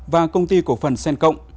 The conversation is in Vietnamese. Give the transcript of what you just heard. và công ty của phần sen cộng